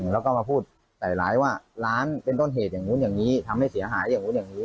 แล้วก็มาพูดใส่ร้ายว่าร้านเป็นต้นเหตุอย่างนู้นอย่างนี้ทำให้เสียหายอย่างนู้นอย่างนี้